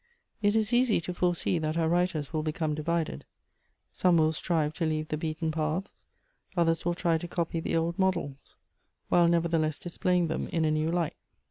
It is easy to foresee that our writers will become divided. Some will strive to leave the beaten paths; others will try to copy the old models, while nevertheless displaying them in a new light.